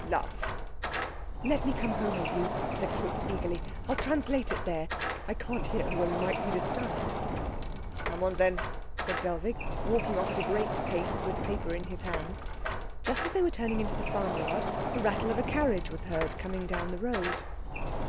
"Love?" "Let me come home with you," said Klutz eagerly, "I'll translate it there. I can't here where we might be disturbed." "Come on, then," said Dellwig, walking off at a great pace with the paper in his hand. Just as they were turning into the farmyard the rattle of a carriage was heard coming down the road.